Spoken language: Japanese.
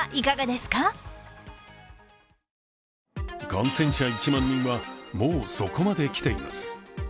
感染者１万人はもうそこまできています。